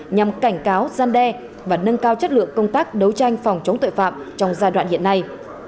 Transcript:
nhằm cảnh cáo gian đe và nâng cao chất lượng công tác đấu tranh phòng chống tội phạm trong giai đoạn hiện nay